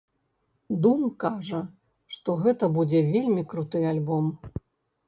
Дум кажа, што гэта будзе вельмі круты альбом!